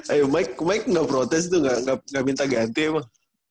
ayo mike gak protes tuh gak minta ganti sama